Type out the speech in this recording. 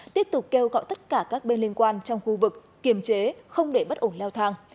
tiếp tục kêu gọi tất cả các bên liên quan trong khu vực kiềm chế không để bất ổn leo thang